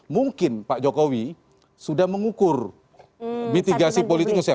mungkin pak jokowi sudah mengukur mitigasi politiknya